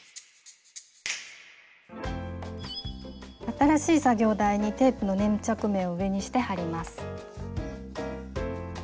新しい作業台にテープの粘着面を上にして貼ります。